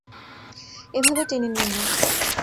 এভাবে টেনে নিও না।